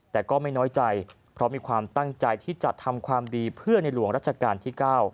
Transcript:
แต่ก็ไม่น้อยใจเพราะมีความตั้งใจที่จะทำความดีเพื่อในหลวงรัชกาลที่๙